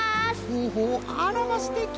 ほうほうあらますてき！